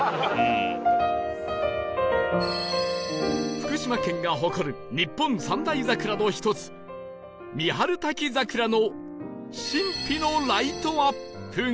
福島県が誇る日本三大桜の一つ三春滝桜の神秘のライトアップが